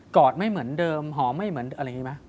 อดไม่เหมือนเดิมหอมไม่เหมือนอะไรอย่างนี้ไหม